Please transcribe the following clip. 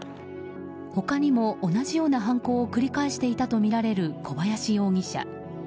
他にも同じような犯行を繰り返していたとみられる小林容疑者。